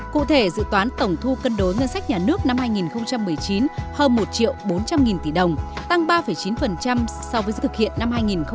cụ thể dự toán tổng thu cân đối ngân sách nhà nước năm hai nghìn một mươi chín hơn một bốn trăm linh tỷ đồng tăng ba chín so với dự thực hiện năm hai nghìn một mươi tám